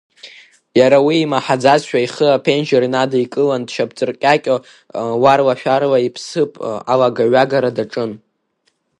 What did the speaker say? Иара уи имаҳаӡазшәа ихы аԥенџьыр инадикылан, дшьапҵыркьакьо уарлашәарла иԥсыԥ алагаҩагара даҿын.